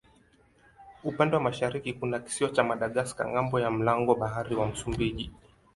Upande wa mashariki kuna kisiwa cha Madagaska ng'ambo ya mlango bahari wa Msumbiji.